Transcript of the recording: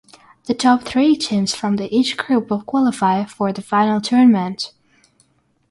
The top three teams from each group will qualify for the final tournament.